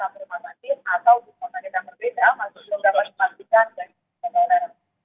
atau jadwal sakit yang berbeda masih belum dapat dimastikan dari jadwal saudara